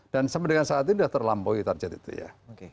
dan sama dengan saat ini udah terlampau ya target itu ya